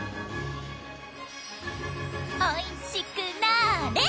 おいしくなれ！